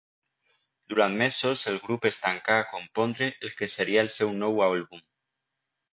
Durant mesos el grup es tancà a compondre el que seria el seu nou àlbum.